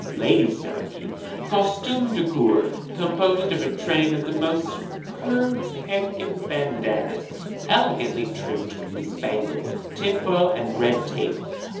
'LADY SNOBKY. 'Costume de Cour, composed of a train of the most superb Pekin bandannas, elegantly trimmed with spangles, tinfoil, and red tape.